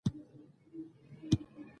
په راتلونکي کې به زده کړه لا نوره شخصي شي.